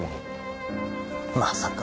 まさか。